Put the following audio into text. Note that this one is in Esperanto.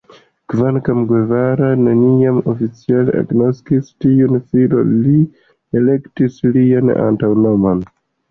Kvankam Guevara neniam oficiale agnoskis tiun filon, li elektis lian antaŭnomon.